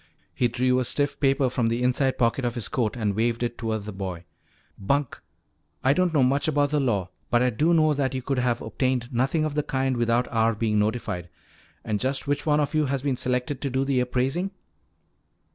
He drew a stiff paper from the inside pocket of his coat and waved it toward the boy. "Bunk! I don't know much about the law but I do know that you could have obtained nothing of the kind without our being notified. And just which one of you has been selected to do the appraising?"